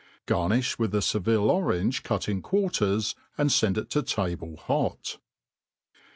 Gar* nifli with a Seville orange cut in quarters, and (end it to table hot.